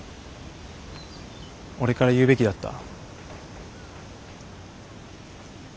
俺から言うべきだった。